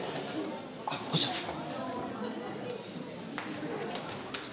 あこちらです。